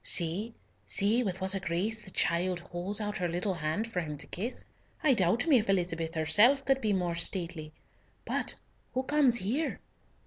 See! see! with what a grace the child holds out her little hand for him to kiss. I doubt me if Elizabeth herself could be more stately. But who comes here?"